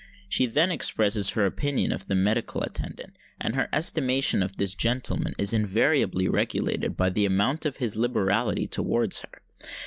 She then expresses her opinion of the medical attendant; and her estimation of this gentleman is invariably regulated by the amount of his liberality towards her.